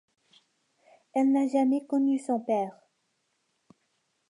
Elle n'a jamais connu son père.